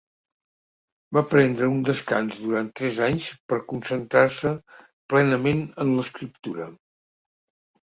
Va prendre un descans durant tres anys per concentrar-se plenament en l'escriptura.